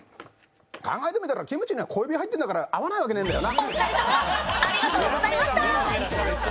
考えてみたらキムチには小エビ入ってるんだから合わないわけねぇんだよな。